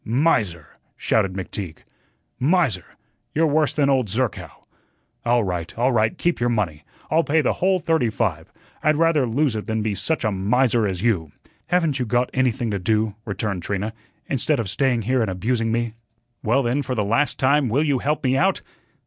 "Miser!" shouted McTeague. "Miser! you're worse than old Zerkow. All right, all right, keep your money. I'll pay the whole thirty five. I'd rather lose it than be such a miser as you." "Haven't you got anything to do," returned Trina, "instead of staying here and abusing me?" "Well, then, for the last time, will you help me out?"